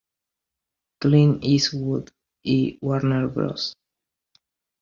Clint Eastwood y Warner Bros.